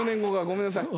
ごめんなさい。